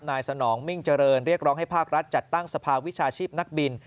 สนองมิ่งเจริญเรียกร้องให้ภาครัฐจัดตั้งสภาวิชาชีพนักบิน